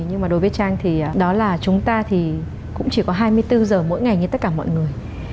nhưng mà đối với tranh thì đó là chúng ta thì cũng chỉ có hai mươi bốn giờ mỗi ngày như tất cả mọi người